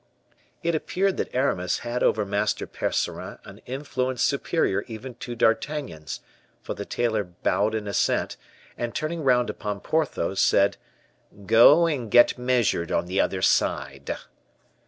It appeared that Aramis had over Master Percerin an influence superior even to D'Artagnan's, for the tailor bowed in assent, and turning round upon Porthos, said, "Go and get measured on the other side."